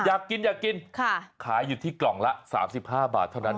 อยากกินอยากกินขายอยู่ที่กล่องละ๓๕บาทเท่านั้น